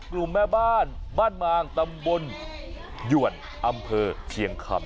แม่บ้านบ้านมางตำบลหยวนอำเภอเชียงคำ